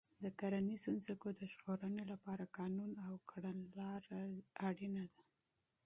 د کرنیزو ځمکو د ژغورنې لپاره قانون او کړنلاره ضروري ده.